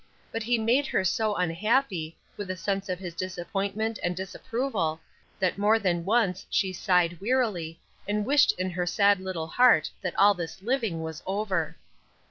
But he made her so unhappy, with a sense of his disappointment and disapproval, that more than once she sighed wearily, and wished in her sad little heart that all this living was over.